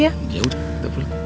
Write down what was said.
ya udah kita pulang